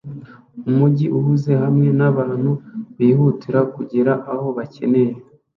Umujyi uhuze hamwe nabantu bihutira kugera aho bakeneye